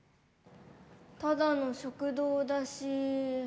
ただの食堂だし。